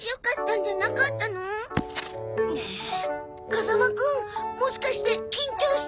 風間くんもしかして緊張してる？